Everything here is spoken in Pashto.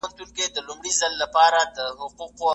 په چين کي سوسياليزم د پخواني اقتصاد پر بنسټ جوړ سو.